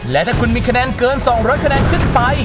และถ้าคุณมีคะแนนเกิน๒๐๐คะแนนขึ้นไป